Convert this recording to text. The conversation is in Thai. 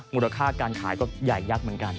มูลค่าการขายก็ใหญ่ยักษ์เหมือนกัน